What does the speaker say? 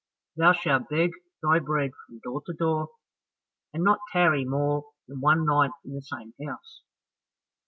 Thou shalt beg thy bread from door to door, and not tarry more than one night in the same house.